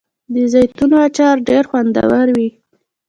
د زیتون اچار ډیر خوندور وي.